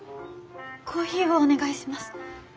コーヒーをお願いします。